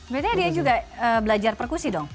berarti dia juga belajar percursi dong